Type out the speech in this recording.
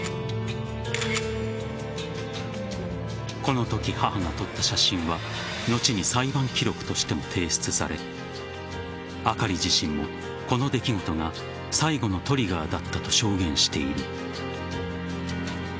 このとき母が撮った写真は後に裁判記録としても提出されあかり自身も、この出来事が最後のトリガーだったと証言している。